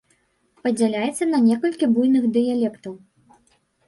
Падзяляецца на некалькі буйных дыялектаў.